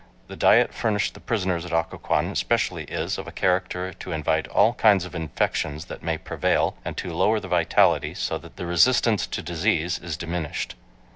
The diet furnished the prisoners at Occoquan especially is of a character to invit6 all kinds of infections that may prevail, and to lower the vitality so that the resistance to disease is diminished.